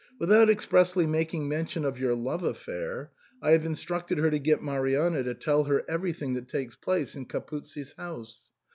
Without expressly making mention of your love affair I have instructed her to get Marianna to tell her everything that takes place in Capuzzi's house.